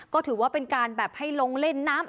ก็ถือว่าเป็นการแบบให้ลงเล่นน้ำ